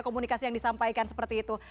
komunikasi yang disampaikan seperti itu